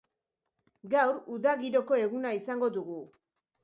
Gaur, uda giroko eguna izango dugu.